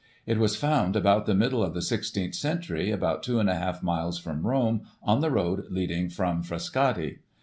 It was found about the middle of the 1 6th century, about two and a half miles from Rome, on the road leading from Frascati.